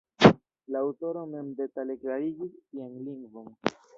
La aŭtoro mem detale klarigis sian lingvon.